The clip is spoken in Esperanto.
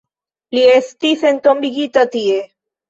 Li estis entombigita tie.